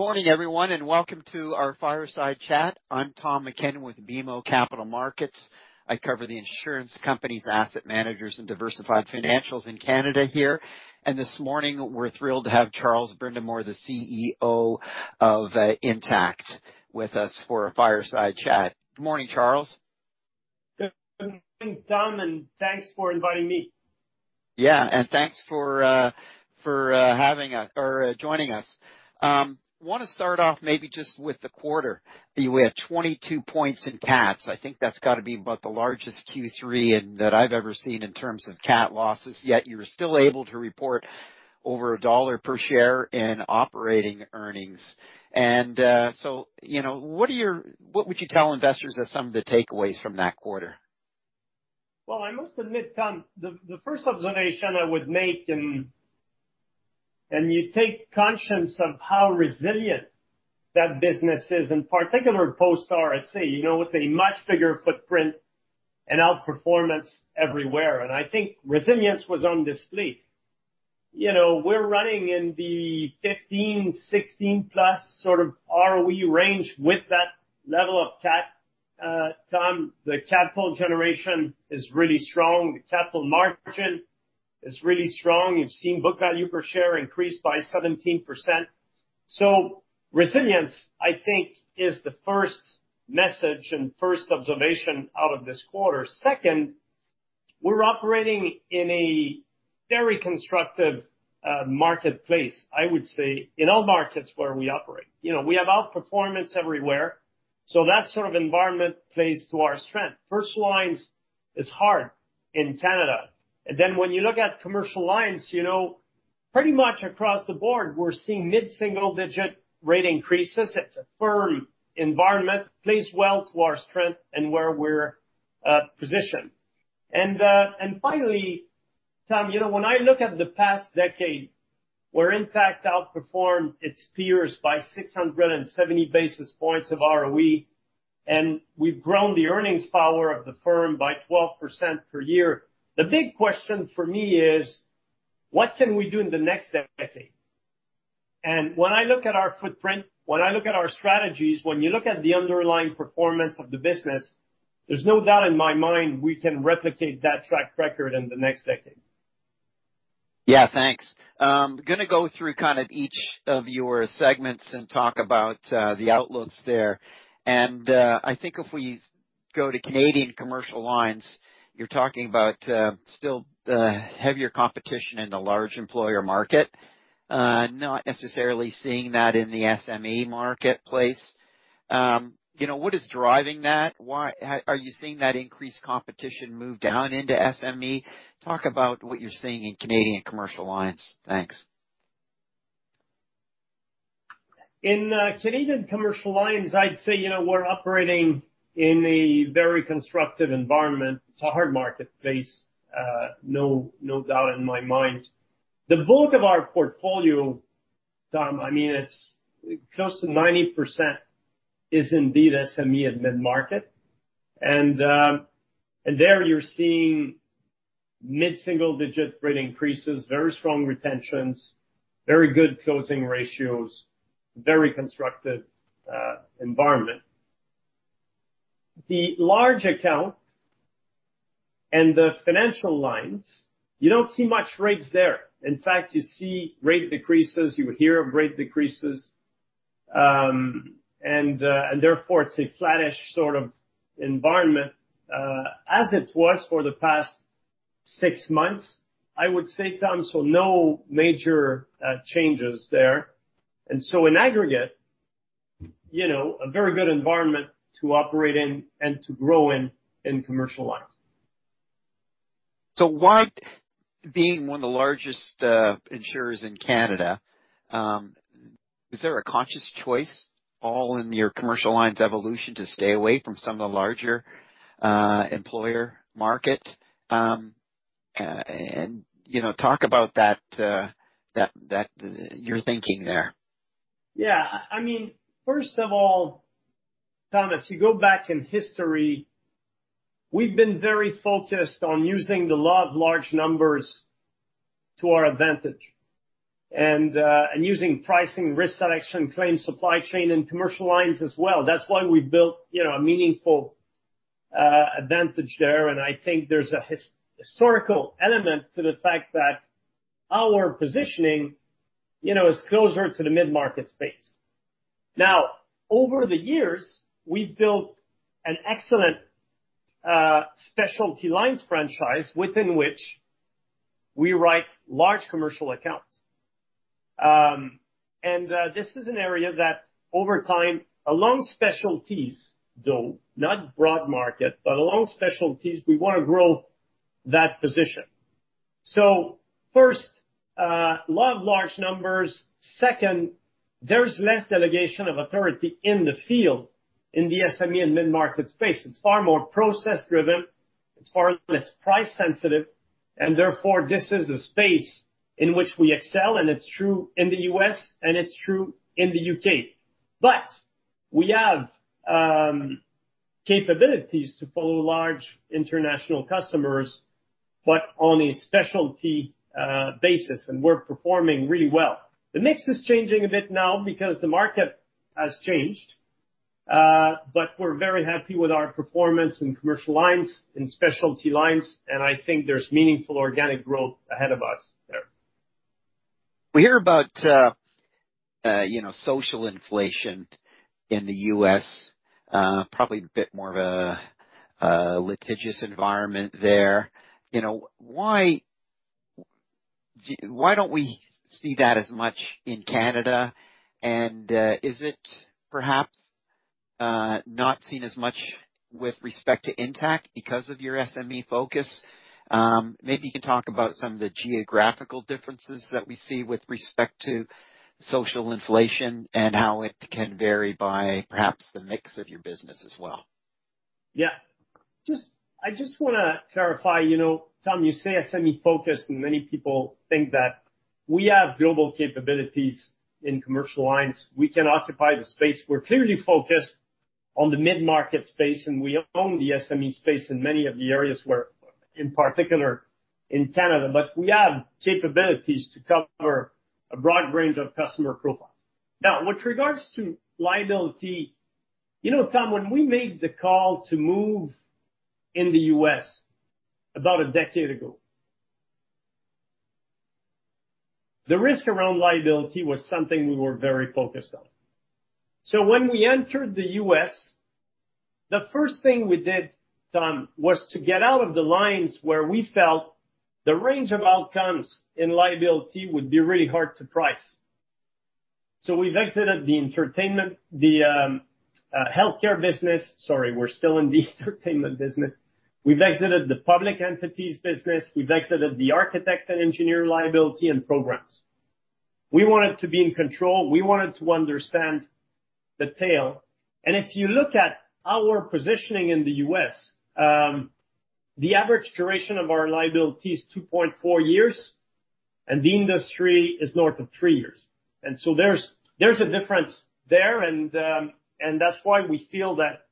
Morning, everyone, and welcome to our Fireside Chat. I'm Tom MacKinnon with BMO Capital Markets. I cover the insurance companies, asset managers, and diversified financials in Canada here. This morning, we're thrilled to have Charles Brindamour, the CEO of Intact, with us for a Fireside Chat. Good morning, Charles. Good morning, Tom, and thanks for inviting me. Thanks for having us or joining us. Wanna start off maybe just with the quarter. You had 22 points in cats. I think that's gotta be about the largest Q3 in, that I've ever seen in terms of cat losses, yet you were still able to report over CAD 1 per share in operating earnings. You know, what would you tell investors are some of the takeaways from that quarter? Well, I must admit, Tom, the first observation I would make, and you take conscience of how resilient that business is, in particular post RSA, you know, with a much bigger footprint and outperformance everywhere. I think resilience was on display. You know, we're running in the 15, 16+ sort of ROE range with that level of cat. Tom, the capital generation is really strong. The capital margin is really strong. You've seen book value per share increase by 17%. Resilience, I think, is the first message and first observation out of this quarter. Second, we're operating in a very constructive marketplace, I would say, in all markets where we operate. You know, we have outperformance everywhere, so that sort of environment plays to our strength. Personal lines is hard in Canada. When you look at commercial lines, you know, pretty much across the board, we're seeing mid-single digit rate increases. It's a firm environment, plays well to our strength and where we're positioned. Finally, Tom, you know, when I look at the past decade, where Intact outperformed its peers by 670 basis points of ROE, and we've grown the earnings power of the firm by 12% per year, the big question for me is: What can we do in the next decade? When I look at our footprint, when I look at our strategies, when you look at the underlying performance of the business, there's no doubt in my mind we can replicate that track record in the next decade. Yeah, thanks. gonna go through kind of each of your segments and talk about the outlooks there. I think if we go to Canadian Commercial Lines, you're talking about still heavier competition in the large employer market, not necessarily seeing that in the SME marketplace. You know, what is driving that? Are you seeing that increased competition move down into SME? Talk about what you're seeing in Canadian Commercial Lines. Thanks. In Canadian Commercial Lines, I'd say, you know, we're operating in a very constructive environment. It's a hard marketplace, no doubt in my mind. The bulk of our portfolio, Tom, I mean, it's close to 90% is indeed SME and mid-market. There, you're seeing mid-single-digit rate increases, very strong retentions, very good closing ratios, very constructive environment. The large account and the financial lines, you don't see much rates there. In fact, you see rate decreases, you hear of rate decreases, therefore, it's a flattish sort of environment, as it was for the past six months, I would say, Tom, no major changes there. In aggregate, you know, a very good environment to operate in and to grow in Commercial Lines. Why Being one of the largest insurers in Canada, is there a conscious choice all in your commercial lines evolution to stay away from some of the larger employer market? You know, talk about that, your thinking there. I mean, first of all, Tom MacKinnon, if you go back in history, we've been very focused on using the law of large numbers to our advantage, and using pricing, risk selection, claims, supply chain, and commercial lines as well. That's why we've built, you know, a meaningful advantage there, and I think there's a historical element to the fact that our positioning, you know, is closer to the mid-market space. Over the years, we've built an excellent specialty lines franchise within which we write large commercial accounts. This is an area that over time, along specialties, though, not broad market, but along specialties, we wanna grow that position. First, law of large numbers. Second, there's less delegation of authority in the field in the SME and mid-market space. It's far more process-driven, it's far less price sensitive, and therefore, this is a space in which we excel, and it's true in the U.S., and it's true in the U.K. We have capabilities to follow large international customers, but on a specialty basis, and we're performing really well. The mix is changing a bit now because the market has changed, but we're very happy with our performance in commercial lines and specialty lines, and I think there's meaningful organic growth ahead of us there. We hear about, you know, social inflation in the U.S., probably a bit more of a litigious environment there. You know, why don't we see that as much in Canada? And, is it perhaps, not seen as much with respect to Intact because of your SME focus? Maybe you can talk about some of the geographical differences that we see with respect to social inflation and how it can vary by perhaps the mix of your business as well. Yeah. I just wanna clarify, you know, Tom, you say a SME focus, and many people think that we have global capabilities in commercial lines. We can occupy the space. We're clearly focused on the mid-market space, and we own the SME space in many of the areas where, in particular, in Canada. We have capabilities to cover a broad range of customer profiles. With regards to liability, you know, Tom, when we made the call to move in the U.S. about one decade ago, the risk around liability was something we were very focused on. When we entered the U.S., the first thing we did, Tom, was to get out of the lines where we felt the range of outcomes in liability would be really hard to price. We've exited the entertainment, the healthcare business. Sorry, we're still in the entertainment business. We've exited the public entities business, we've exited the architect and engineer liability and programs. We wanted to be in control. We wanted to understand the tail. If you look at our positioning in the U.S., the average duration of our liability is 2.4 years, and the industry is north of three years. There's a difference there, that's why we feel that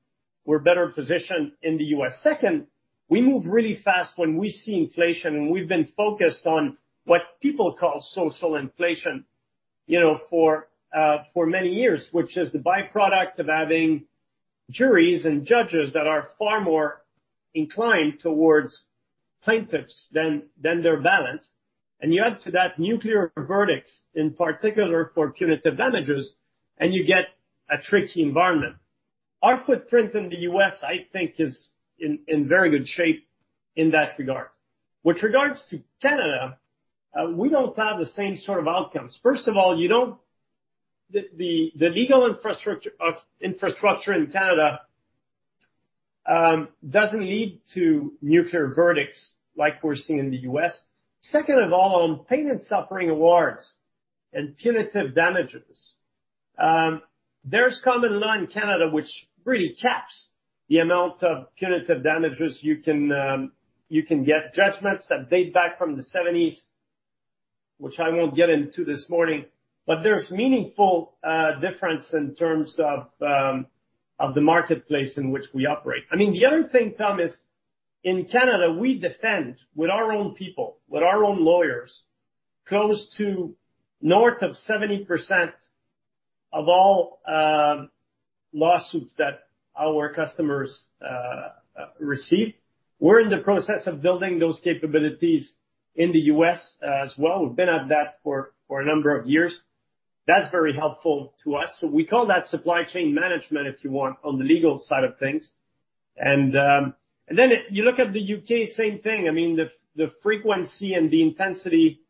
we're better positioned in the U.S. Second, we move really fast when we see inflation, and we've been focused on what people call social inflation, you know, for many years, which is the byproduct of having juries and judges that are far more inclined towards plaintiffs than their balance. You add to that nuclear verdicts, in particular for punitive damages, and you get a tricky environment. Our footprint in the US, I think, is in very good shape in that regard. With regards to Canada, we don't have the same sort of outcomes. First of all, The legal infrastructure in Canada doesn't lead to nuclear verdicts like we're seeing in the US. Second of all, on pain and suffering awards and punitive damages, there's common law in Canada, which really caps the amount of punitive damages you can get. Judgments that date back from the 1970s, which I won't get into this morning, There's meaningful difference in terms of the marketplace in which we operate. I mean, the other thing, Tom, is in Canada, we defend with our own people, with our own lawyers, close to north of 70% of all lawsuits that our customers receive. We're in the process of building those capabilities in the U.S. as well. We've been at that for a number of years. That's very helpful to us. We call that supply chain management, if you want, on the legal side of things. Then you look at the U.K., same thing. I mean, the frequency and the intensity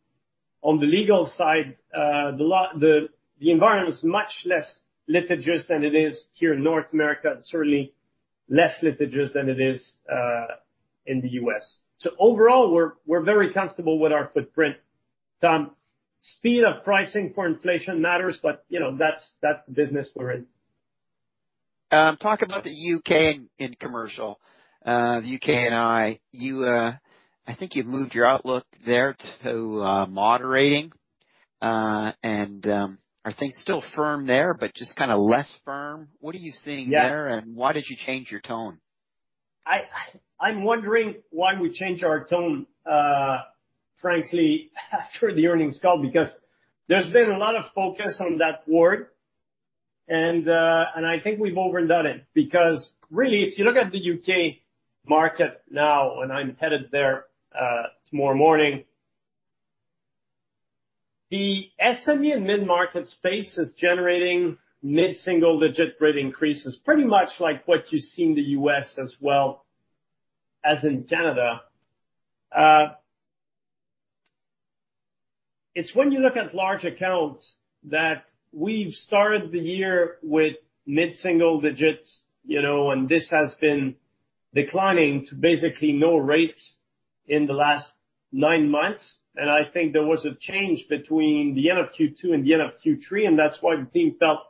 on the legal side, the law, the environment is much less litigious than it is here in North America, and certainly less litigious than it is in the U.S. Overall, we're very comfortable with our footprint. Tom, speed of pricing for inflation matters, but, you know, that's the business we're in. Talk about the U.K. in commercial. The U.K. and I. You, I think you've moved your outlook there to moderating. Are things still firm there, but just kinda less firm? What are you seeing there? Yeah. Why did you change your tone? I'm wondering why we changed our tone, frankly, after the earnings call, there's been a lot of focus on that word, and I think we've overdone it. Really, if you look at the U.K. market now, and I'm headed there, tomorrow morning, the SME and mid-market space is generating mid-single digit rate increases, pretty much like what you see in the U.S. as well as in Canada. It's when you look at large accounts that we've started the year with mid-single digits, you know, and this has been declining to basically no rates in the last nine months. I think there was a change between the end of Q2 and the end of Q3, and that's why the team felt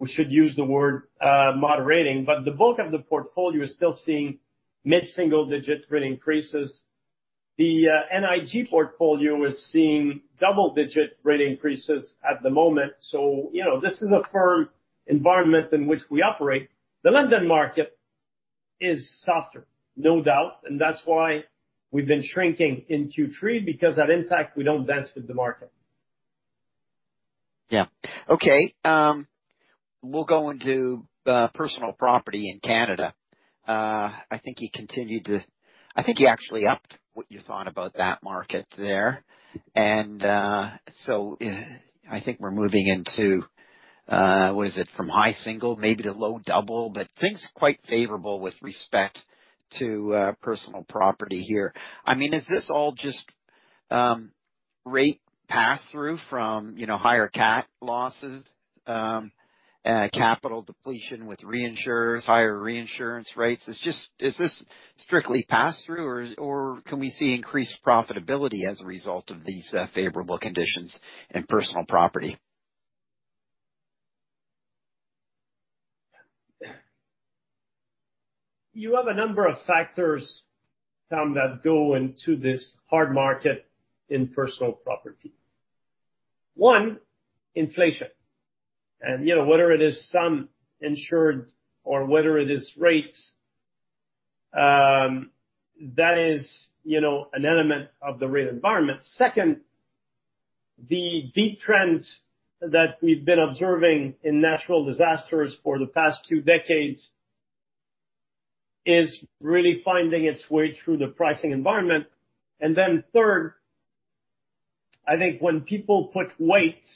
we should use the word, moderating. The bulk of the portfolio is still seeing mid-single digit rate increases. The NIG portfolio is seeing double-digit rate increases at the moment. You know, this is a firm environment in which we operate. The London market is softer, no doubt, and that's why we've been shrinking in Q3, because at Intact, we don't dance with the market.... Yeah. Okay, we'll go into personal property in Canada. I think you actually upped what you thought about that market there. I think we're moving into what is it? From high single, maybe to low double, but things are quite favorable with respect to personal property here. I mean, is this all just rate pass-through from, you know, higher cat losses, capital depletion with reinsurers, higher reinsurance rates? Is this strictly pass-through, or can we see increased profitability as a result of these favorable conditions in personal property? You have a number of factors, Tom, that go into this hard market in personal property. One, inflation. You know, whether it is Sum insured or whether it is rates, that is, you know, an element of the rate environment. Second, the deep trend that we've been observing in natural disasters for the past two decades is really finding its way through the pricing environment. Third, I think when people put weight on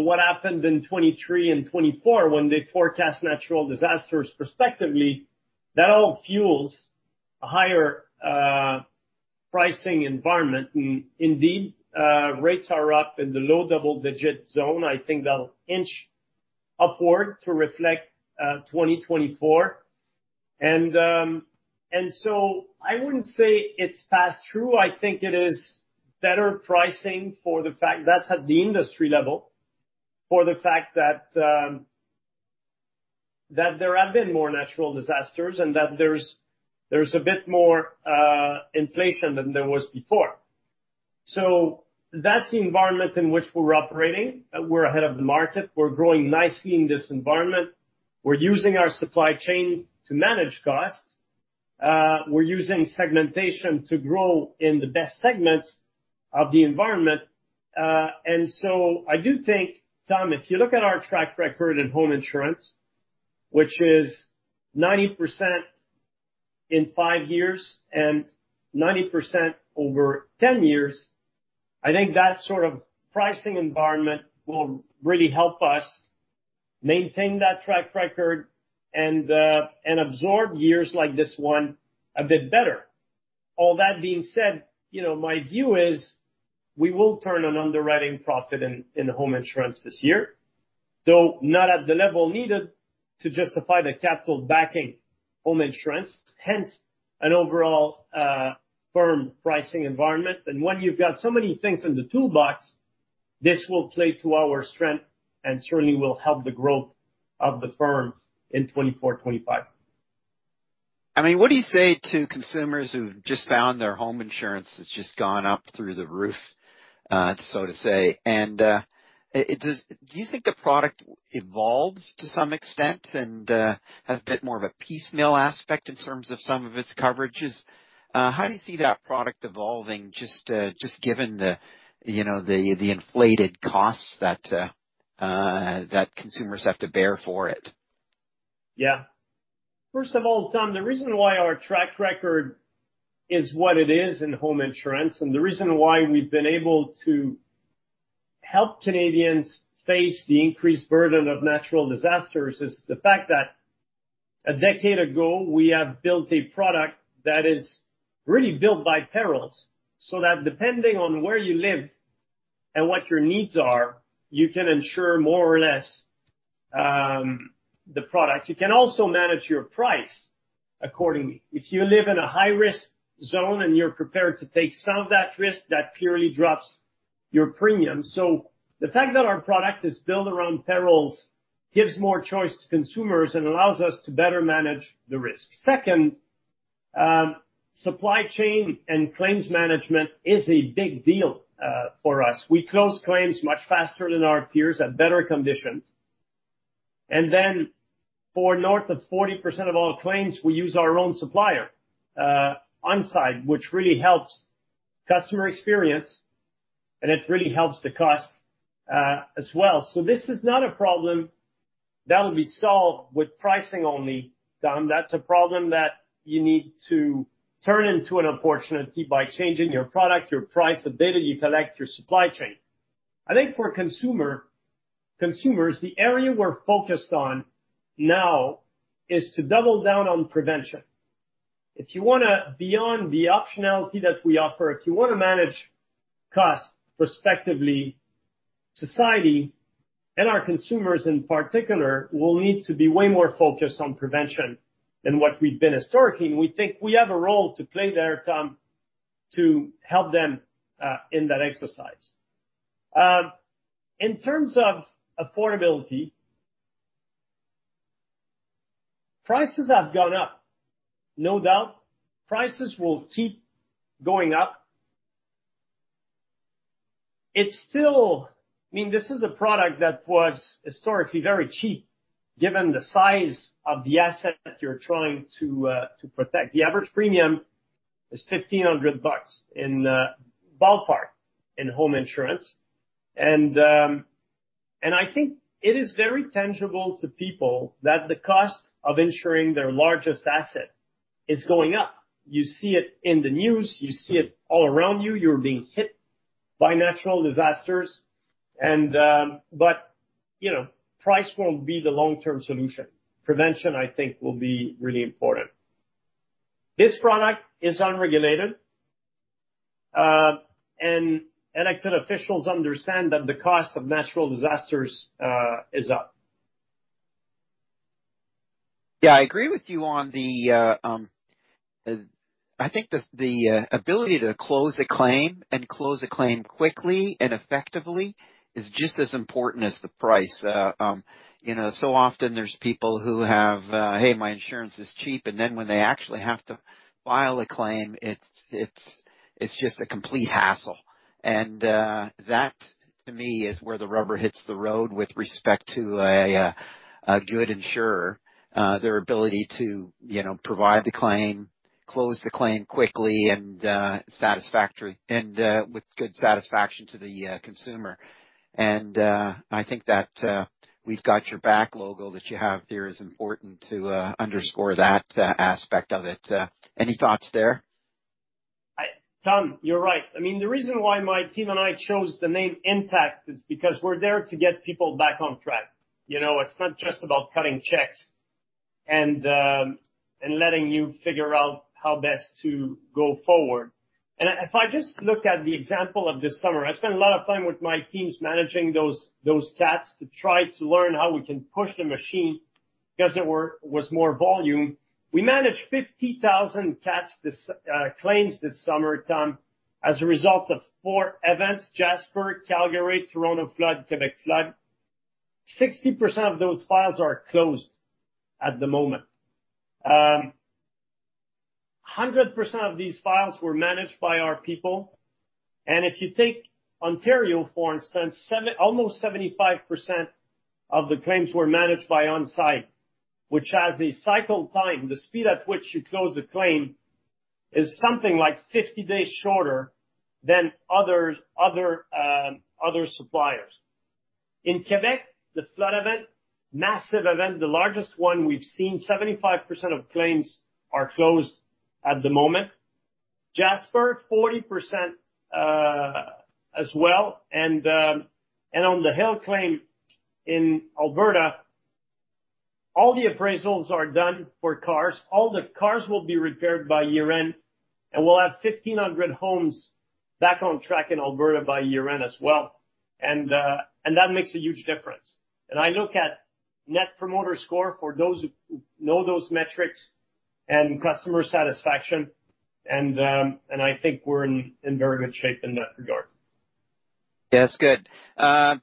what happened in 2023 and 2024, when they forecast natural disasters respectively, that all fuels a higher pricing environment. Indeed, rates are up in the low double-digit zone. I think that'll inch upward to reflect 2024. I wouldn't say it's pass-through. I think it is better pricing for the fact, that's at the industry level, for the fact that there have been more natural disasters and that there's a bit more inflation than there was before. That's the environment in which we're operating. We're ahead of the market. We're growing nicely in this environment. We're using our supply chain to manage costs. We're using segmentation to grow in the best segments of the environment. I do think, Tom, if you look at our track record in home insurance, which is 90% in five years and 90% over 10 years, I think that sort of pricing environment will really help us maintain that track record and absorb years like this one a bit better. All that being said, you know, my view is we will turn an underwriting profit in home insurance this year, though not at the level needed to justify the capital backing home insurance, hence an overall firm pricing environment. When you've got so many things in the toolbox, this will play to our strength and certainly will help the growth of the firm in 2024, 2025. I mean, what do you say to consumers who've just found their home insurance has just gone up through the roof, so to say? Do you think the product evolves to some extent and has a bit more of a piecemeal aspect in terms of some of its coverages? How do you see that product evolving, just given the, you know, the inflated costs that consumers have to bear for it? First of all, Tom, the reason why our track record is what it is in home insurance, and the reason why we've been able to help Canadians face the increased burden of natural disasters, is the fact that a decade ago, we have built a product that is really built by perils, so that depending on where you live and what your needs are, you can insure more or less, the product. You can also manage your price accordingly. If you live in a high risk zone, and you're prepared to take some of that risk, that purely drops your premium. The fact that our product is built around perils gives more choice to consumers and allows us to better manage the risk. Second, supply chain and claims management is a big deal, for us. We close claims much faster than our peers at better conditions. For north of 40% of all claims, we use our own supplier, on-site, which really helps customer experience, and it really helps the cost as well. This is not a problem that will be solved with pricing only, Tom. That's a problem that you need to turn into an opportunity by changing your product, your price, the data you collect, your supply chain. I think for consumers, the area we're focused on now is to double down on prevention. If you wanna, beyond the optionality that we offer, if you wanna manage cost respectively, society and our consumers in particular, will need to be way more focused on prevention than what we've been historically, and we think we have a role to play there, Tom, to help them in that exercise. In terms of affordability, prices have gone up. No doubt, prices will keep going up. It's still... I mean, this is a product that was historically very cheap, given the size of the asset that you're trying to protect. The average premium is 1,500 bucks in ballpark in home insurance. I think it is very tangible to people that the cost of insuring their largest asset is going up. You see it in the news, you see it all around you're being hit by natural disasters, you know, price won't be the long-term solution. Prevention, I think, will be really important. This product is unregulated, and elected officials understand that the cost of natural disasters is up. Yeah, I agree with you on the, I think the ability to close a claim and close a claim quickly and effectively is just as important as the price. You know, so often there's people who have, "Hey, my insurance is cheap," and then when they actually have to file a claim, it's just a complete hassle. That, to me, is where the rubber hits the road with respect to a good insurer. Their ability to, you know, provide the claim, close the claim quickly, and satisfactory and with good satisfaction to the consumer. I think that we've got your back logo that you have there is important to underscore that aspect of it. Any thoughts there? Tom, you're right. I mean, the reason why my team and I chose the name Intact is because we're there to get people back on track. You know, it's not just about cutting checks and letting you figure out how best to go forward. If I just look at the example of this summer, I spent a lot of time with my teams managing those cats to try to learn how we can push the machine because there was more volume. We managed 50,000 claims this summer, Tom, as a result of four events, Jasper, Calgary, Toronto flood, Quebec flood. 60% of those files are closed at the moment. 100% of these files were managed by our people. If you take Ontario, for instance, almost 75% of the claims were managed by On Side, which has a cycle time. The speed at which you close the claim is something like 50 days shorter than other suppliers. In Quebec, the flood event, massive event, the largest one we've seen, 75% of claims are closed at the moment. Jasper, 40% as well. On the hail claim in Alberta, all the appraisals are done for cars. All the cars will be repaired by year-end, and we'll have 1,500 homes back on track in Alberta by year-end as well. That makes a huge difference. I look at Net Promoter Score for those who know those metrics and customer satisfaction, and I think we're in very good shape in that regard. Yeah, that's good.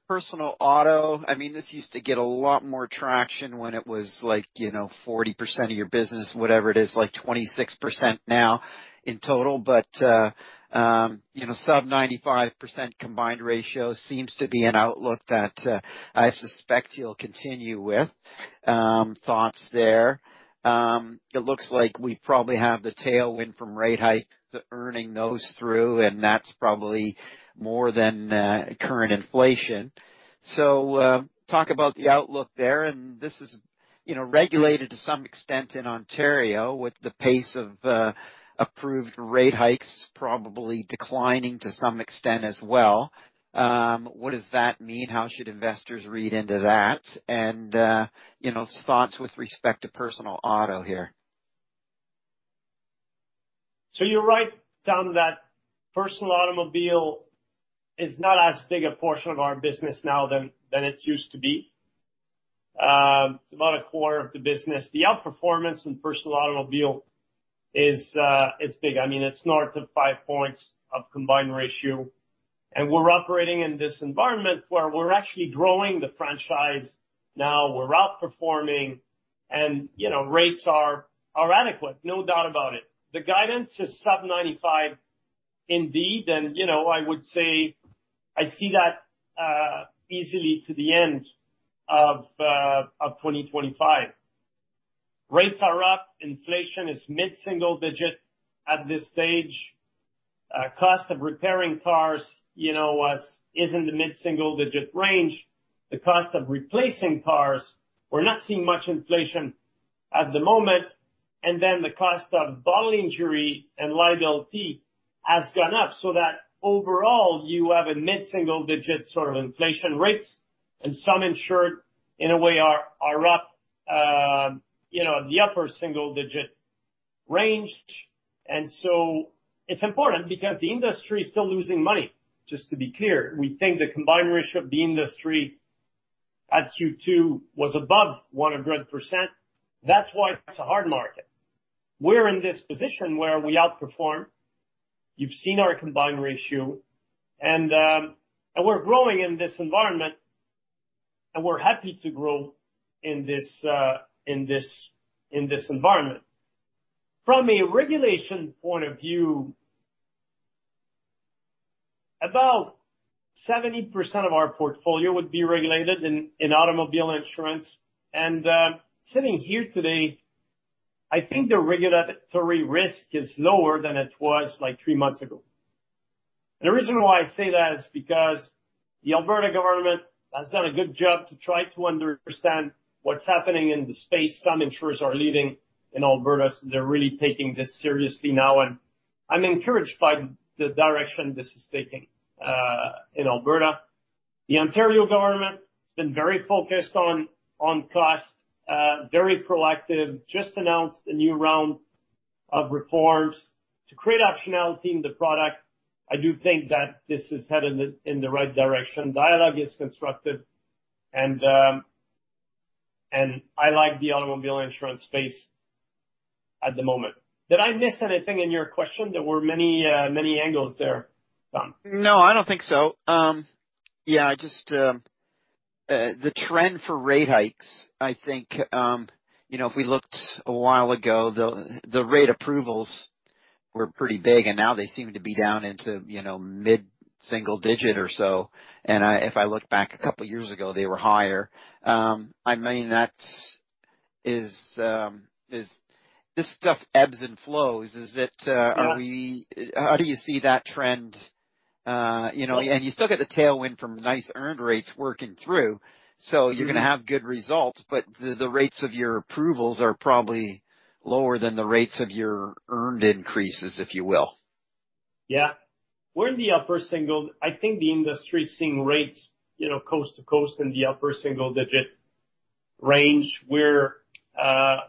Personal auto, I mean, this used to get a lot more traction when it was like, you know, 40% of your business, whatever it is, like 26% now in total. You know, sub 95% combined ratio seems to be an outlook that I suspect you'll continue with. Thoughts there? It looks like we probably have the tailwind from rate hikes, the earning those through, and that's probably more than current inflation. Talk about the outlook there, and this is, you know, regulated to some extent in Ontario with the pace of approved rate hikes, probably declining to some extent as well. What does that mean? How should investors read into that? You know, thoughts with respect to personal auto here. You're right, Tom, that personal automobile is not as big a portion of our business now than it used to be. It's about a quarter of the business. The outperformance in personal automobile is big. I mean, it's north of five points of combined ratio, and we're operating in this environment where we're actually growing the franchise now. We're outperforming, and, you know, rates are adequate, no doubt about it. The guidance is sub 95, indeed, and you know, I would say I see that easily to the end of 2025. Rates are up, inflation is mid-single digit at this stage. Cost of repairing cars, you know, was, is in the mid-single digit range. The cost of replacing cars, we're not seeing much inflation at the moment. The cost of bodily injury and liability has gone up, so that overall, you have a mid-single digit sort of inflation rates. Sum insured, in a way, are up, you know, the upper single digit range. It's important because the industry is still losing money, just to be clear. We think the combined ratio of the industry at Q2 was above 100%. That's why it's a hard market. We're in this position where we outperform. You've seen our combined ratio and we're growing in this environment, and we're happy to grow in this environment. From a regulation point of view. About 70% of our portfolio would be regulated in automobile insurance. Sitting here today, I think the regulatory risk is lower than it was like three months ago. The reason why I say that is because the Alberta government has done a good job to try to understand what's happening in the space some insurers are leaving in Alberta. They're really taking this seriously now, and I'm encouraged by the direction this is taking in Alberta. The Ontario government has been very focused on cost, very proactive, just announced a new round of reforms to create optionality in the product. I do think that this is headed in the right direction. Dialogue is constructive, and I like the automobile insurance space at the moment. Did I miss anything in your question? There were many angles there, Tom. No, I don't think so. Yeah, just, the trend for rate hikes, I think, you know, if we looked a while ago, the rate approvals were pretty big, and now they seem to be down into, you know, mid-single digit or so. If I look back a couple years ago, they were higher. I mean, that is, This stuff ebbs and flows. Is it? Yeah. how do you see that trend, you know? You still get the tailwind from nice earned rates working through. Mm-hmm. You're gonna have good results, but the rates of your approvals are probably lower than the rates of your earned increases, if you will. We're in the upper single. I think the industry is seeing rates, you know, coast to coast in the upper single-digit range.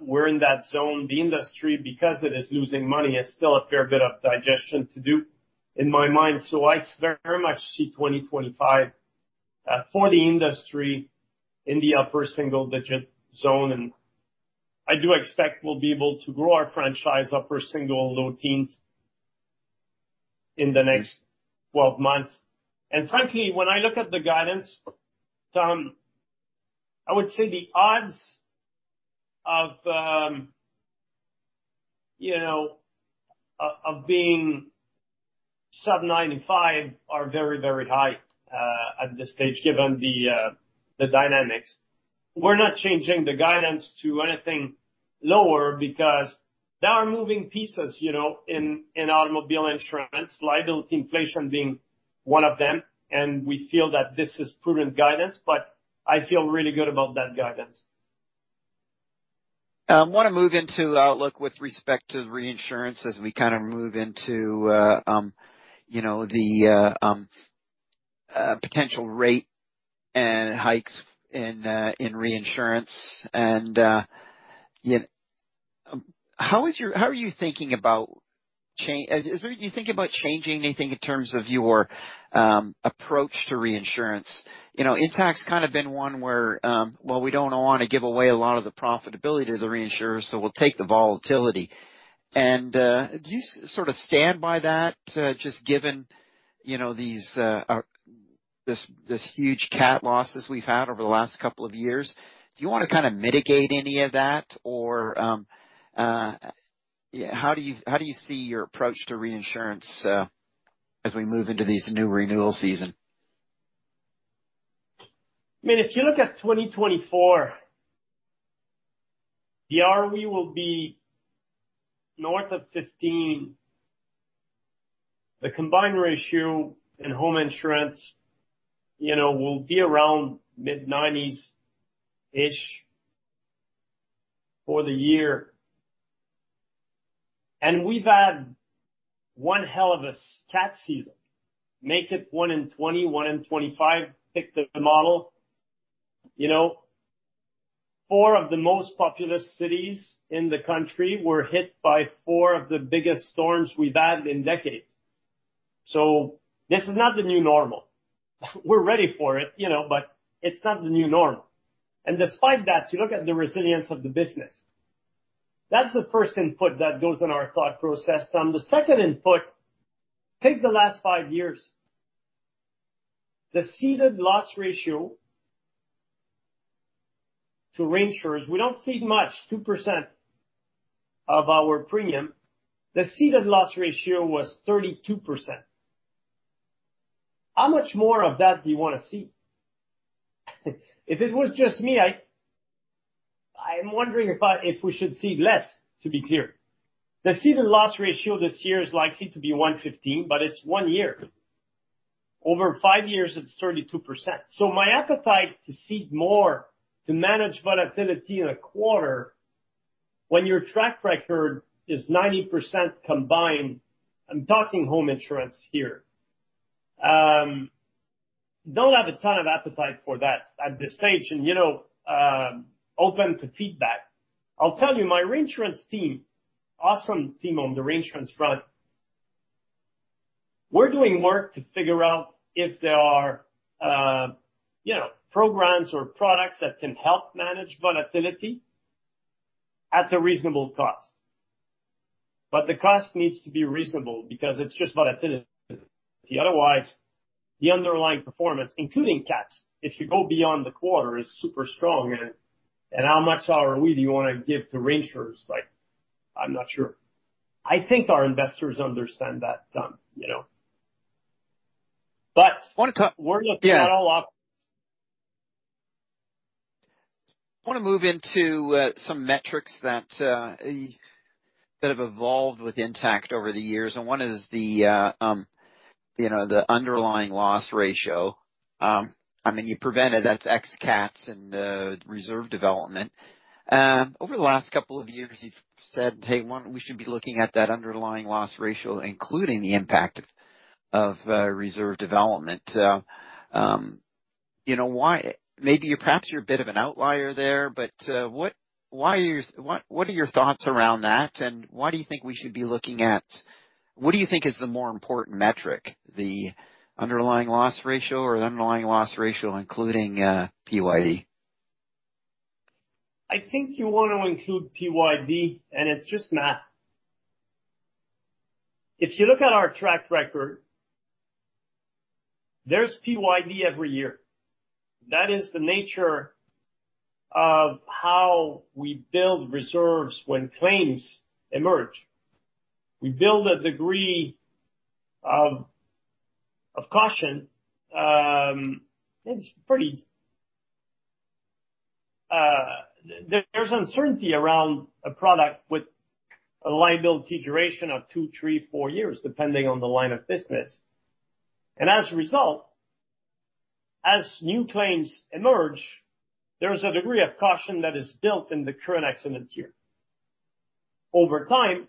We're in that zone. The industry, because it is losing money, has still a fair bit of digestion to do, in my mind. I very much see 2025 for the industry in the upper single-digit zone, and I do expect we'll be able to grow our franchise upper single, low teens in the next 12 months. Frankly, when I look at the guidance, Tom, I would say the odds of, you know, of being sub-95% are very, very high at this stage, given the dynamics. We're not changing the guidance to anything lower because there are moving pieces, you know, in automobile insurance, liability inflation being one of them, and we feel that this is prudent guidance, but I feel really good about that guidance. I wanna move into outlook with respect to reinsurance as we kind of move into, you know, the potential rate and hikes in reinsurance. How are you thinking about changing anything in terms of your approach to reinsurance? You know, Intact's kind of been one where, well, we don't wanna give away a lot of the profitability to the reinsurers, so we'll take the volatility. Do you sort of stand by that, just given, you know, these, this huge CAT losses we've had over the last couple of years? Do you wanna kinda mitigate any of that? Yeah, how do you see your approach to reinsurance as we move into this new renewal season? I mean, if you look at 2024, the ROE will be north of 15. The combined ratio in home insurance, you know, will be around mid-nineties-ish for the year. We've had one hell of a CAT season. Make it one in 20, one in 25, pick the model. You know, 4 of the most populous cities in the country were hit by 4 of the biggest storms we've had in decades. This is not the new normal. We're ready for it, you know, but it's not the new normal. Despite that, you look at the resilience of the business. That's the first input that goes in our thought process. The second input, take the last five years. The ceded loss ratio to reinsurers, we don't cede much, 2% of our premium. The ceded loss ratio was 32%. How much more of that do you want to see? If it was just me, I'm wondering if we should cede less, to be clear. The ceded loss ratio this year is likely to be 115, but it's one year. Over five years, it's 32%. My appetite to cede more to manage volatility in a quarter when your track record is 90% combined, I'm talking home insurance here, don't have a ton of appetite for that at this stage. You know, open to feedback. I'll tell you, my reinsurance team, awesome team on the reinsurance front, we're doing work to figure out if there are, you know, programs or products that can help manage volatility at a reasonable cost. The cost needs to be reasonable because it's just volatility. Otherwise, the underlying performance, including CAT, if you go beyond the quarter, is super strong. How much ROE do you wanna give to reinsurers? I'm not sure. I think our investors understand that, Tom, you know? I wanna talk- We're looking at all options. I wanna move into some metrics that have evolved with Intact over the years, and one is, you know, the underlying loss ratio. I mean, you prevent it, that's ex cats and reserve development. Over the last couple of years, you've said, "Hey, one, we should be looking at that underlying loss ratio, including the impact of reserve development." You know, maybe perhaps you're a bit of an outlier there, but what are your thoughts around that, and why do you think we should be looking at? What do you think is the more important metric, the underlying loss ratio or the underlying loss ratio, including PYD? I think you want to include PYD, it's just math. If you look at our track record, there's PYD every year. That is the nature of how we build reserves when claims emerge. We build a degree of caution. There's uncertainty around a product with a liability duration of two, three, four years, depending on the line of business. As a result, as new claims emerge, there is a degree of caution that is built in the current accident year. Over time,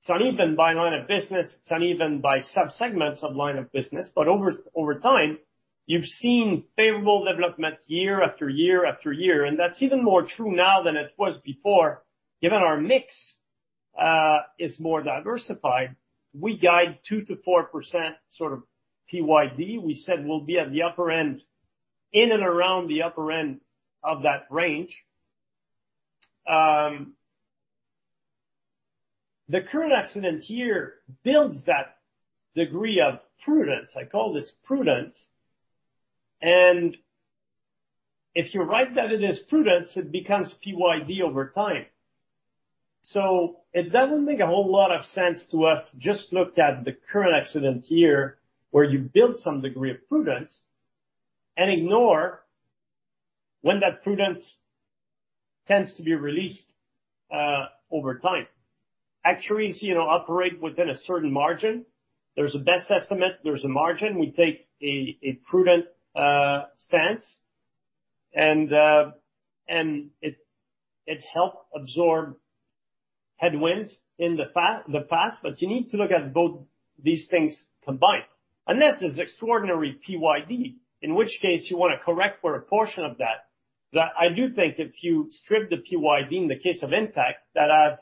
it's uneven by line of business, it's uneven by subsegments of line of business, but over time, you've seen favorable development year after year after year, and that's even more true now than it was before, given our mix, is more diversified. We guide 2%-4% sort of PYD. We said we'll be at the upper end, in and around the upper end of that range. The current accident year builds that degree of prudence. I call this prudence. If you're right that it is prudence, it becomes PYD over time. It doesn't make a whole lot of sense to us to just look at the current accident year, where you build some degree of prudence, and ignore when that prudence tends to be released, over time. Actuaries, you know, operate within a certain margin. There's a best estimate, there's a margin. We take a prudent stance, and it helped absorb headwinds in the past, but you need to look at both these things combined. Unless there's extraordinary PYD, in which case you wanna correct for a portion of that. I do think if you strip the PYD in the case of Intact, that has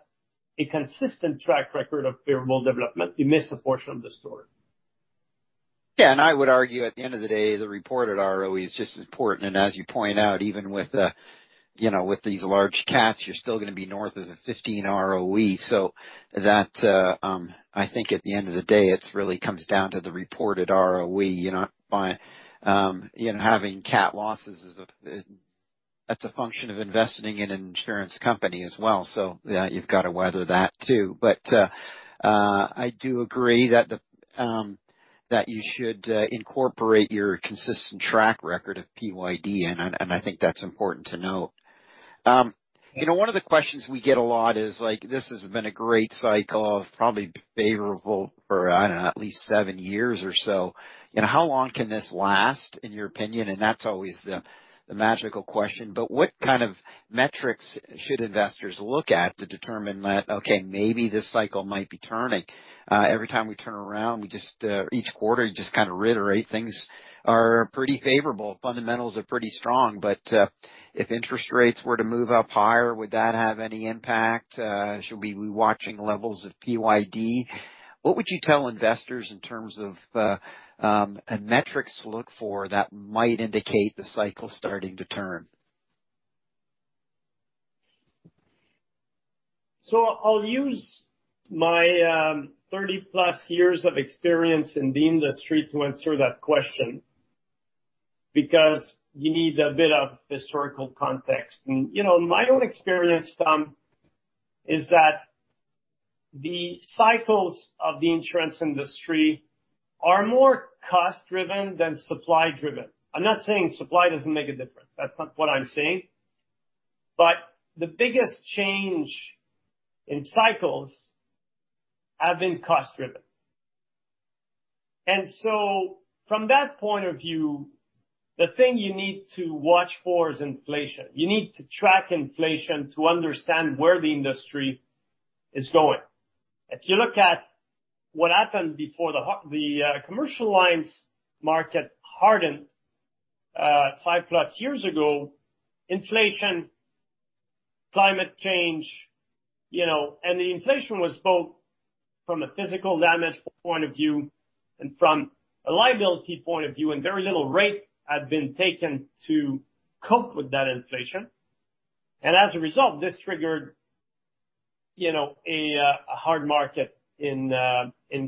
a consistent track record of favorable development, you miss a portion of the story. I would argue at the end of the day, the reported ROE is just as important, and as you point out, even with, you know, with these large cats, you're still gonna be north of the 15 ROE. That, I think at the end of the day, it's really comes down to the reported ROE, you know, by, you know, having cat losses is a, that's a function of investing in an insurance company as well. Yeah, you've got to weather that, too. I do agree that you should incorporate your consistent track record of PYD, and I think that's important to note. You know, one of the questions we get a lot is, like, this has been a great cycle of probably favorable for, I don't know, at least seven years or so. You know, how long can this last, in your opinion? That's always the magical question. What kind of metrics should investors look at to determine that, okay, maybe this cycle might be turning? Every time we turn around, we just, each quarter, you just kind of reiterate things are pretty favorable. Fundamentals are pretty strong, but, if interest rates were to move up higher, would that have any impact? Should we be watching levels of PYD? What would you tell investors in terms of, and metrics to look for that might indicate the cycle starting to turn? I'll use my 30+ years of experience in the industry to answer that question, because you need a bit of historical context. You know, my own experience, Tom, is that the cycles of the insurance industry are more cost-driven than supply-driven. I'm not saying supply doesn't make a difference. That's not what I'm saying. The biggest change in cycles have been cost-driven. From that point of view, the thing you need to watch for is inflation. You need to track inflation to understand where the industry is going. If you look at what happened before the commercial lines market hardened, 5+ years ago, inflation, climate change, you know, and the inflation was both from a physical damage point of view and from a liability point of view, and very little rate had been taken to cope with that inflation. As a result, this triggered... you know, a hard market in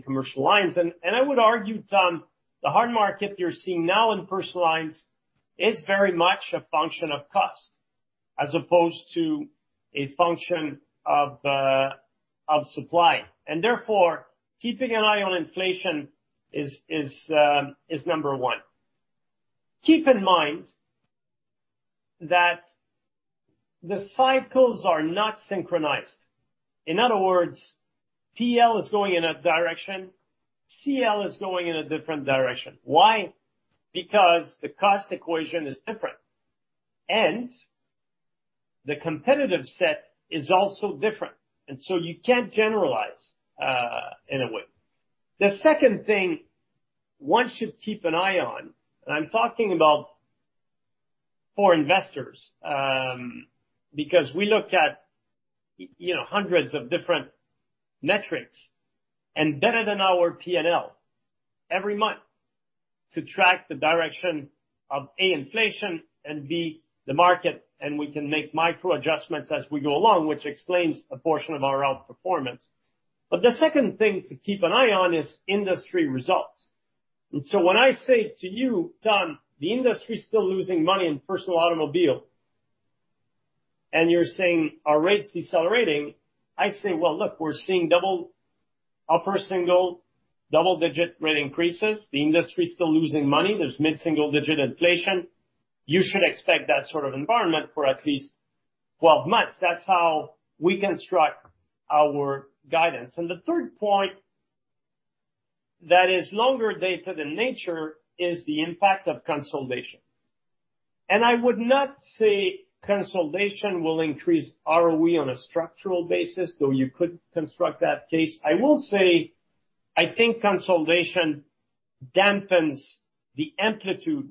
commercial lines. I would argue, Tom, the hard market you're seeing now in personal lines is very much a function of cost, as opposed to a function of supply, and therefore, keeping an eye on inflation is number one. Keep in mind that the cycles are not synchronized. In other words, PL is going in a direction, CL is going in a different direction. Why? Because the cost equation is different, and the competitive set is also different, and so you can't generalize in a way. The second thing one should keep an eye on, and I'm talking about for investors, because we look at, you know, hundreds of different metrics, and better than our P&L, every month, to track the direction of, A, inflation, and B, the market, and we can make micro adjustments as we go along, which explains a portion of our outperformance. The second thing to keep an eye on is industry results. When I say to you, Tom, the industry is still losing money in personal automobile, and you're saying, our rates decelerating, I say: Well, look, we're seeing double, upper single, double-digit rate increases. The industry is still losing money. There's mid-single-digit inflation. You should expect that sort of environment for at least 12 months. That's how we construct our guidance. The third point that is longer data than nature is the impact of consolidation. I would not say consolidation will increase ROE on a structural basis, though you could construct that case. I will say, I think consolidation dampens the amplitude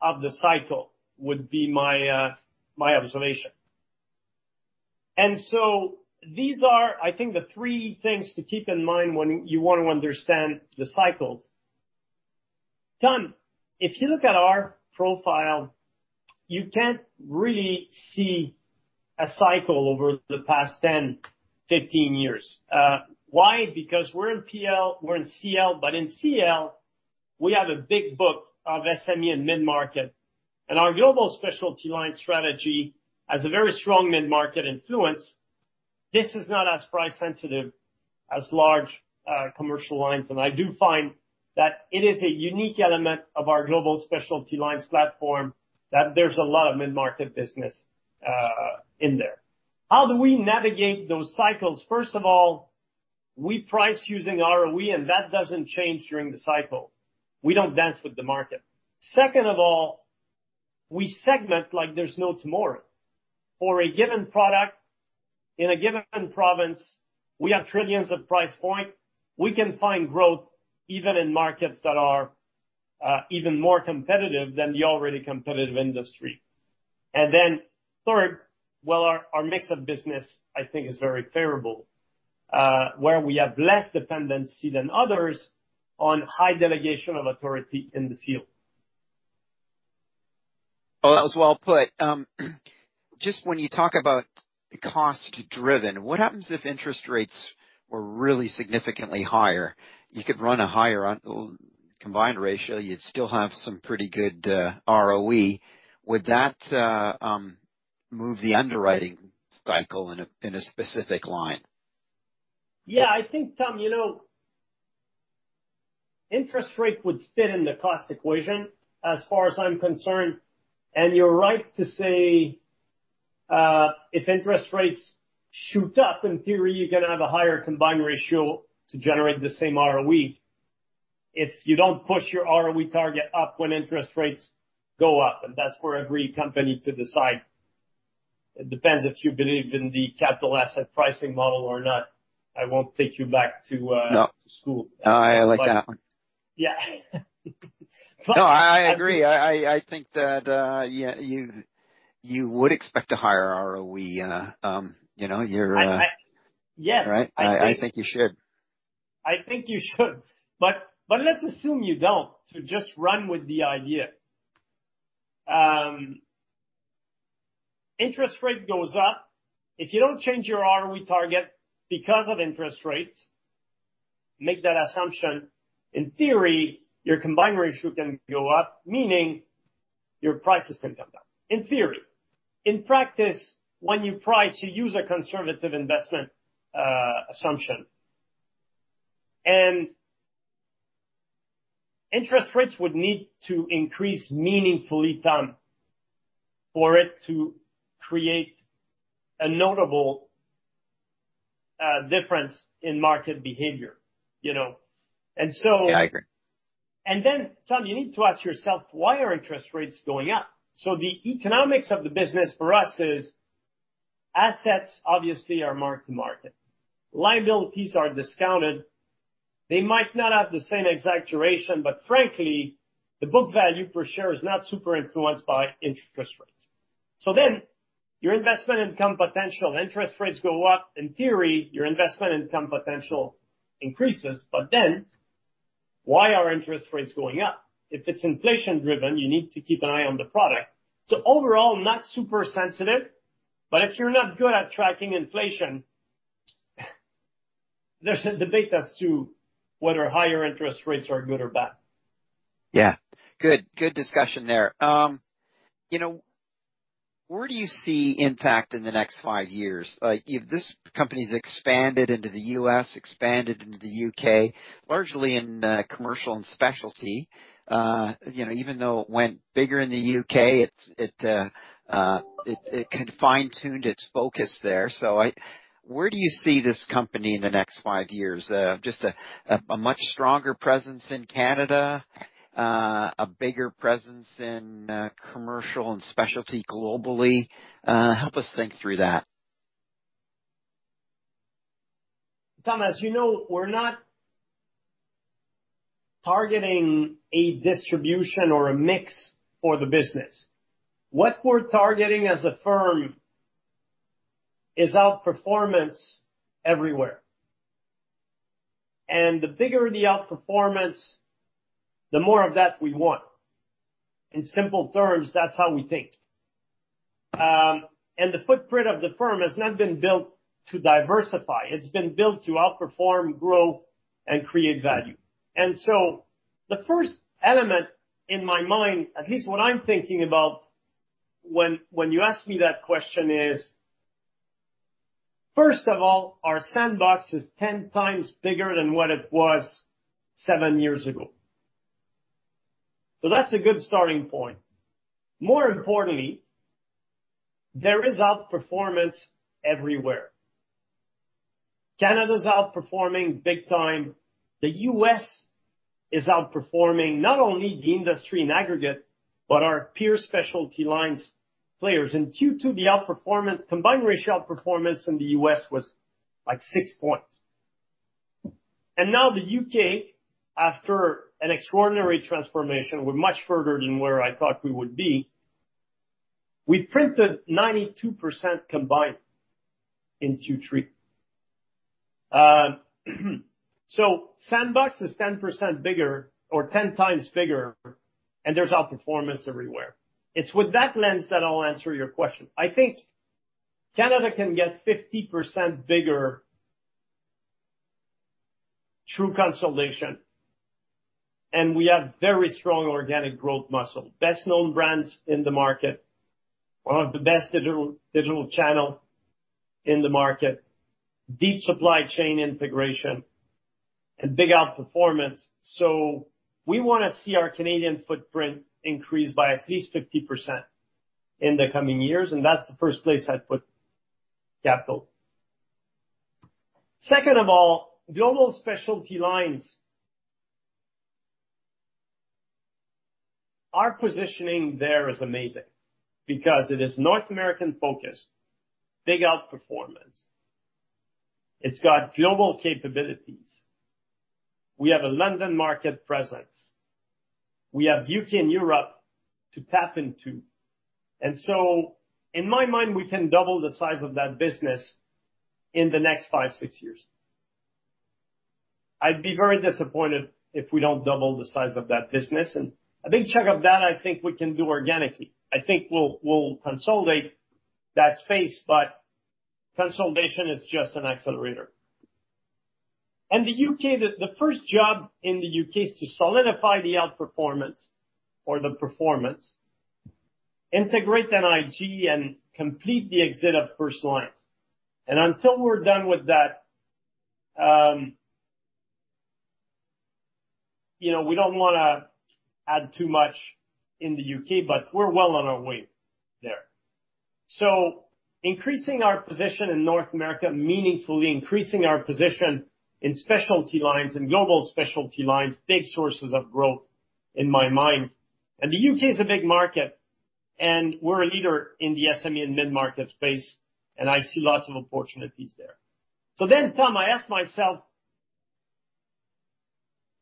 of the cycle, would be my observation. These are, I think, the three things to keep in mind when you want to understand the cycles. Tom, if you look at our profile, you can't really see a cycle over the past 10, 15 years. Why? Because we're in PL, we're in CL, but in CL, we have a big book of SME and mid-market, and our global specialty line strategy has a very strong mid-market influence. This is not as price sensitive as large commercial lines, and I do find that it is a unique element of our global specialty lines platform, that there's a lot of mid-market business in there. How do we navigate those cycles? First of all, we price using ROE, and that doesn't change during the cycle. We don't dance with the market. Second of all, we segment like there's no tomorrow. For a given product in a given province, we have trillions of price point. We can find growth even in markets that are even more competitive than the already competitive industry. Then third, well, our mix of business, I think, is very favorable, where we have less dependency than others on high delegation of authority in the field. Oh, that was well put. Just when you talk about cost driven, what happens if interest rates were really significantly higher? You could run a higher combined ratio, you'd still have some pretty good ROE. Would that move the underwriting cycle in a specific line? Yeah, I think, Tom, you know, interest rate would fit in the cost equation as far as I'm concerned. You're right to say, if interest rates shoot up, in theory, you're gonna have a higher combined ratio to generate the same ROE. If you don't push your ROE target up when interest rates go up. That's for every company to decide, it depends if you believe in the Capital Asset Pricing Model or not. I won't take you back to. No. school. I like that one. Yeah. No, I agree. I think that, yeah, you would expect a higher ROE, you know. Yes. Right? I think you should. I think you should. Let's assume you don't, to just run with the idea. Interest rate goes up. If you don't change your ROE target because of interest rates, make that assumption, in theory, your combined ratio can go up, meaning your prices can come down, in theory. In practice, when you price, you use a conservative investment assumption, and interest rates would need to increase meaningfully, Tom, for it to create a notable difference in market behavior, you know? Yeah, I agree. Tom, you need to ask yourself, why are interest rates going up? The economics of the business for us is, assets obviously are mark to market. Liabilities are discounted. They might not have the same exact duration, but frankly, the book value per share is not super influenced by interest rates. Your investment income potential interest rates go up, in theory, your investment income potential increases. Why are interest rates going up? If it's inflation driven, you need to keep an eye on the product. Overall, not super sensitive, but if you're not good at tracking inflation, there's a debate as to whether higher interest rates are good or bad. Yeah. Good, good discussion there. you know, where do you see Intact in the next five years, like if this company's expanded into the U.S., expanded into the U.K., largely in commercial and specialty, you know, even though it went bigger in the U.K., it, it fine-tuned its focus there? Where do you see this company in the next five years? just a much stronger presence in Canada, a bigger presence in commercial and specialty globally? help us think through that. Thomas, you know, we're not targeting a distribution or a mix for the business. What we're targeting as a firm is outperformance everywhere. The bigger the outperformance, the more of that we want. In simple terms, that's how we think. The footprint of the firm has not been built to diversify. It's been built to outperform, grow, and create value. The first element in my mind, at least what I'm thinking about when you ask me that question, is, first of all, our sandbox is 10x bigger than what it was seven years ago. That's a good starting point. More importantly, there is outperformance everywhere. Canada's outperforming big time. The U.S. is outperforming, not only the industry in aggregate, but our peer specialty lines players. In Q2, the outperformance, combined ratio outperformance in the U.S. was, like, 6 points. Now the U.K., after an extraordinary transformation, we're much further than where I thought we would be, we printed 92% combined in Q3. Sandbox is 10% bigger or 10x bigger, and there's outperformance everywhere. It's with that lens that I'll answer your question. I think Canada can get 50% bigger through consolidation, and we have very strong organic growth muscle. Best known brands in the market. One of the best digital channel in the market, deep supply chain integration, and big outperformance. We wanna see our Canadian footprint increase by at least 50% in the coming years, and that's the first place I'd put capital. Second of all, global specialty lines. Our positioning there is amazing because it is North American-focused, big outperformance. It's got global capabilities. We have a London market presence. We have U.K. and Europe to tap into. In my mind, we can double the size of that business in the next 5, 6 years. I'd be very disappointed if we don't double the size of that business, and a big chunk of that, I think we can do organically. I think we'll consolidate that space, but consolidation is just an accelerator. The U.K., the first job in the U.K. is to solidify the outperformance or the performance, integrate NIG and complete the exit of personal lines. Until we're done with that, you know, we don't wanna add too much in the U.K., but we're well on our way there. Increasing our position in North America, meaningfully increasing our position in specialty lines and global specialty lines, big sources of growth in my mind. The U.K. is a big market, and we're a leader in the SME and mid-market space, and I see lots of opportunities there. Tom, I ask myself,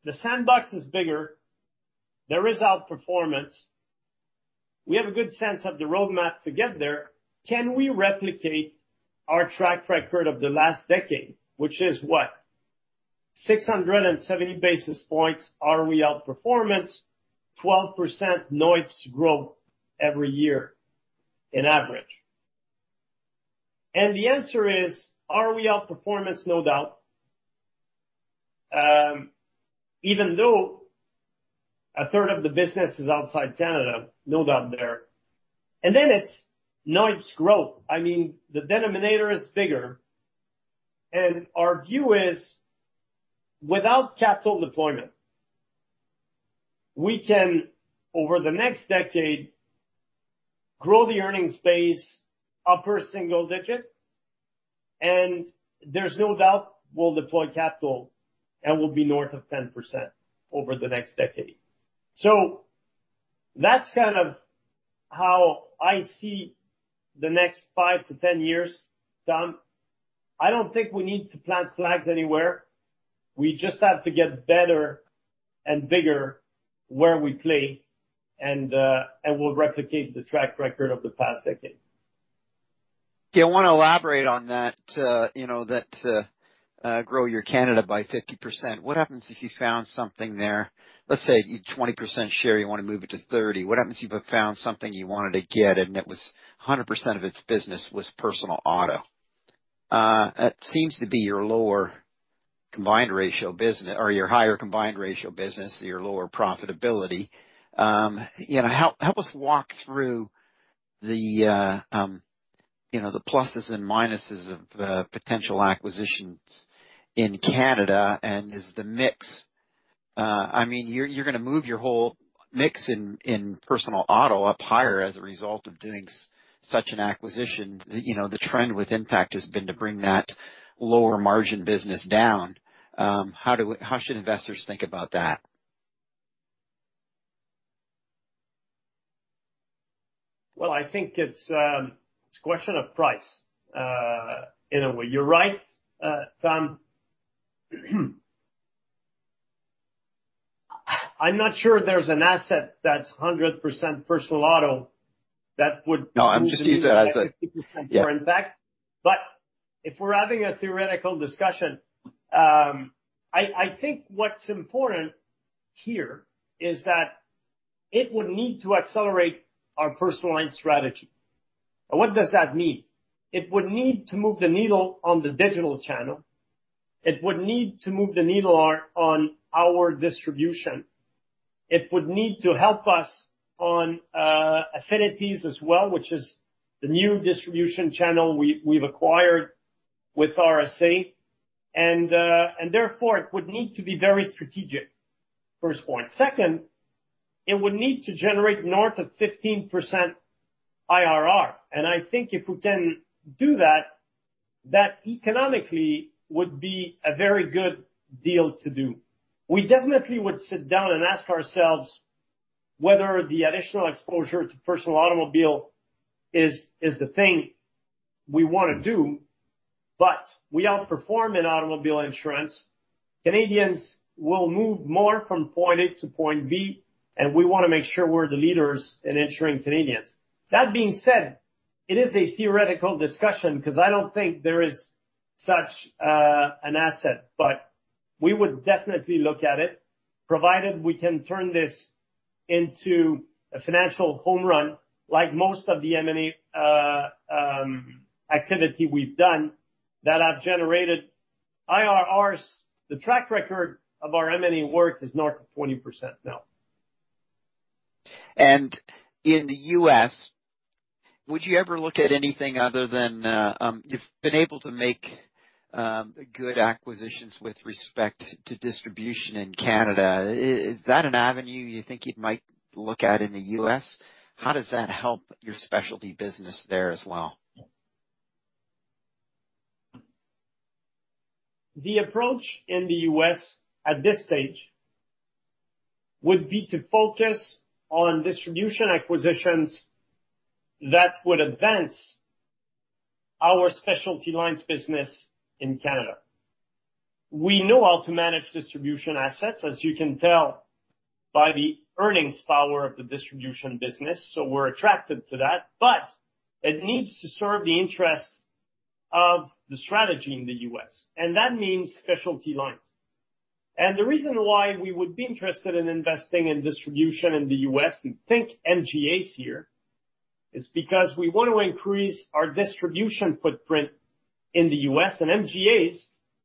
the sandbox is bigger. There is outperformance. We have a good sense of the roadmap to get there. Can we replicate our track record of the last decade, which is, what? 670 basis points, are we outperformance, 12% NOEPS growth every year in average. The answer is, are we outperformance? No doubt. Even though a third of the business is outside Canada, no doubt there. It's NOIPS growth. I mean, the denominator is bigger, and our view is, without capital deployment, we can, over the next decade, grow the earnings base upper single digit, and there's no doubt we'll deploy capital and will be north of 10% over the next decade. That's kind of how I see the next five to 10 years, Tom. I don't think we need to plant flags anywhere. We just have to get better and bigger where we play, and we'll replicate the track record of the past decade. I wanna elaborate on that, you know, that, grow your Canada by 50%. What happens if you found something there? Let's say a 20% share, you wanna move it to 30. What happens if you found something you wanted to get, and it was 100% of its business was personal auto? It seems to be your lower combined ratio business or your higher combined ratio business, your lower profitability. Help us walk through the, you know, the pluses and minuses of potential acquisitions in Canada, and is the mix... You're, you're gonna move your whole mix in personal auto up higher as a result of doing such an acquisition. The trend with Intact has been to bring that lower margin business down. How should investors think about that? I think it's a question of price, in a way. You're right, Tom. I'm not sure there's an asset that's 100% personal auto. No, I'm just using it as a, yeah- If we're having a theoretical discussion, I think what's important here is that it would need to accelerate our personal line strategy. What does that mean? It would need to move the needle on the digital channel. It would need to move the needle on our distribution. It would need to help us on affinities as well, which is the new distribution channel we've acquired with RSA. Therefore, it would need to be very strategic, first point. Second, it would need to generate north of 15% IRR, and I think if we can do that economically would be a very good deal to do. We definitely would sit down and ask ourselves whether the additional exposure to personal automobile is the thing we wanna do. We outperform in automobile insurance. Canadians will move more from point A to point B, and we wanna make sure we're the leaders in insuring Canadians. That being said, it is a theoretical discussion, 'cause I don't think there is such an asset, but we would definitely look at it, provided we can turn this into a financial home run, like most of the M&A activity we've done that have generated IRRs. The track record of our M&A work is north of 20% now. In the U.S., would you ever look at anything other than? You've been able to make good acquisitions with respect to distribution in Canada. Is that an avenue you think you might look at in the U.S.? How does that help your specialty business there as well? The approach in the U.S. at this stage would be to focus on distribution acquisitions that would advance our specialty lines business in Canada. We know how to manage distribution assets, as you can tell by the earnings power of the distribution business, so we're attracted to that. It needs to serve the interest of the strategy in the U.S., and that means specialty lines. The reason why we would be interested in investing in distribution in the U.S., and think MGAs here, is because we want to increase our distribution footprint in the U.S., and MGAs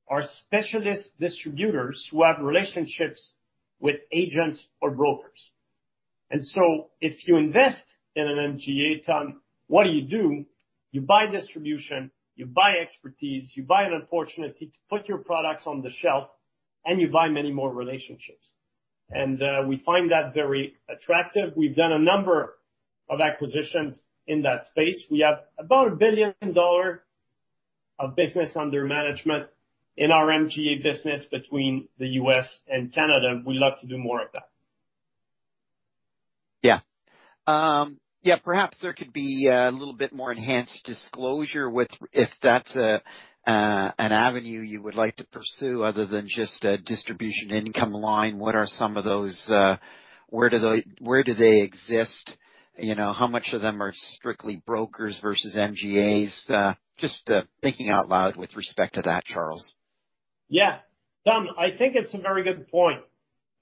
are specialist distributors who have relationships with agents or brokers. If you invest in an MGA, Tom, what do you do? You buy distribution, you buy expertise, you buy an opportunity to put your products on the shelf, and you buy many more relationships. We find that very attractive. We've done a number of acquisitions in that space. We have about 1 billion dollars of business under management in our MGA business between the U.S. and Canada. We'd love to do more of that. Yeah. Yeah, perhaps there could be a little bit more enhanced disclosure with, if that's a an avenue you would like to pursue other than just a distribution income line. What are some of those? Where do they exist? You know, how much of them are strictly brokers versus MGAs? Just thinking out loud with respect to that, Charles. Yeah. Tom, I think it's a very good point.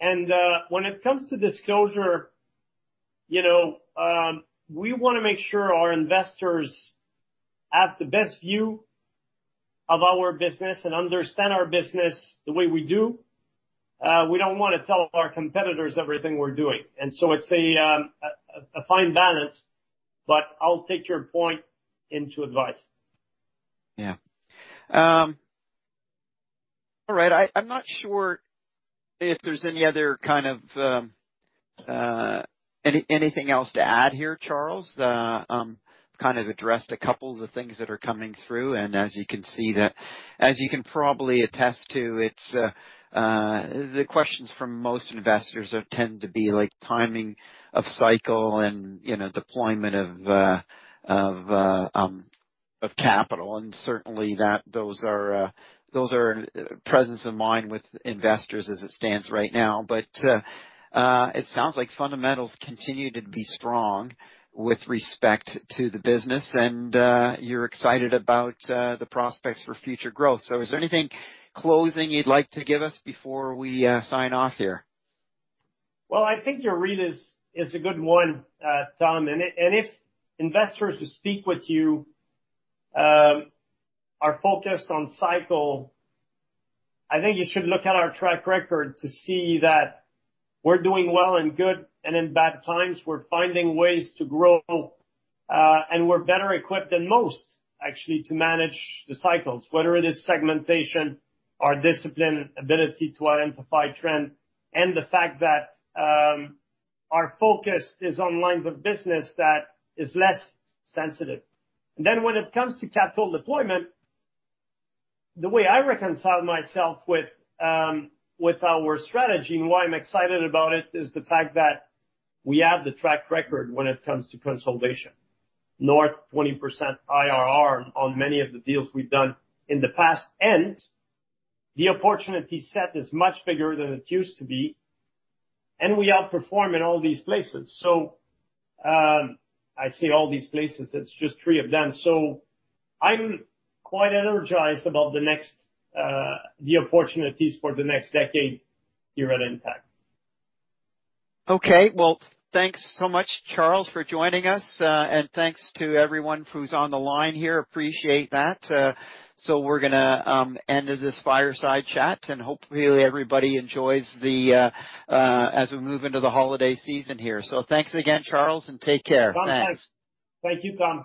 When it comes to disclosure, you know, we wanna make sure our investors have the best view of our business and understand our business the way we do. We don't wanna tell our competitors everything we're doing, so it's a fine balance, but I'll take your point into advice. Yeah. All right, I'm not sure if there's any other kind of anything else to add here, Charles. Kind of addressed a couple of the things that are coming through, as you can probably attest to, it's the questions from most investors tend to be like timing of cycle and, you know, deployment of capital. Certainly those are, those are presence in mind with investors as it stands right now. It sounds like fundamentals continue to be strong with respect to the business, and you're excited about the prospects for future growth. Is there anything closing you'd like to give us before we sign off here? Well, I think your read is a good one, Tom. If investors who speak with you are focused on cycle, I think you should look at our track record to see that we're doing well in good and in bad times. We're finding ways to grow, and we're better equipped than most actually to manage the cycles, whether it is segmentation or discipline, ability to identify trend, and the fact that our focus is on lines of business that is less sensitive. When it comes to capital deployment, the way I reconcile myself with our strategy and why I'm excited about it, is the fact that we have the track record when it comes to consolidation, north of 20% IRR on many of the deals we've done in the past. The opportunity set is much bigger than it used to be, and we outperform in all these places. I say all these places, it's just 3 of them. I'm quite energized about the next, the opportunities for the next decade here at Intact. Okay. Well, thanks so much, Charles, for joining us, and thanks to everyone who's on the line here. Appreciate that. We're gonna end this fireside chat, and hopefully everybody enjoys the as we move into the holiday season here. Thanks again, Charles, and take care. Thanks. Thank you, Tom.